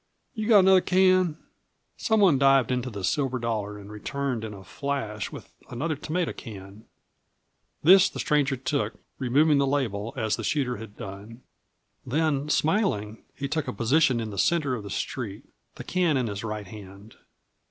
You got another can?" Some one dived into the Silver Dollar and returned in a flash with another tomato can. This the stranger took, removing the label, as the shooter had done. Then, smiling, he took a position in the center of the street, the can in his right hand.